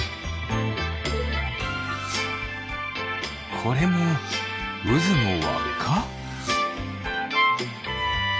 これもうずのわっか？